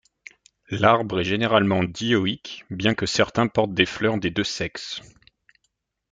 L'arbre est généralement dioïque bien que certains portent des fleurs des deux sexes.